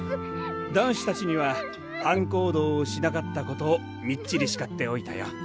男子たちには班行動をしなかったことをみっちりしかっておいたよ。